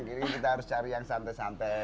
jadi kita harus cari yang santai santai gitu